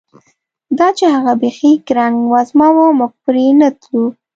دا چې هغه بیخي ګړنګ وزمه وه، موږ پرې نه تلو.